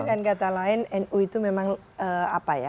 dengan kata lain nu itu memang apa ya